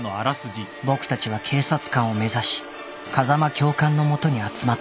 ［僕たちは警察官を目指し風間教官のもとに集まった］